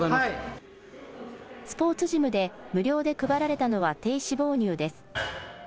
スポーツジムで無料で配られたのは低脂肪乳です。